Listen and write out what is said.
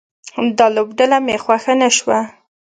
دا لوبډله مې خوښه نه شوه